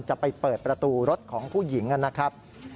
จะไปเปิดประตูรถของผู้หญิงนะครับ